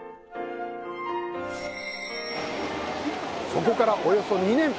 そこからおよそ２年